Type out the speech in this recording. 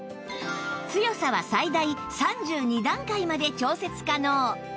強さは最大３２段階まで調節可能